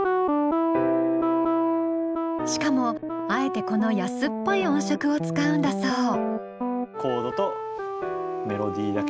しかもあえてこの安っぽい音色を使うんだそう。